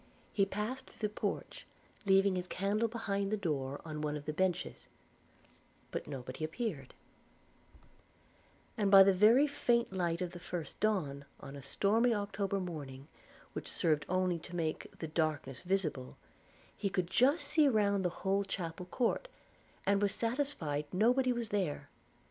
He passed through the porch, leaving his candle behind the door on one of the benches, but nobody appeared: and by the very faint light of the first dawn, on a stormy October morning, which served only to make 'the darkness visible,' he could just see round the whole chapel court, and was satisfied nobody was there.